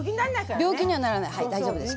病気にはならない大丈夫です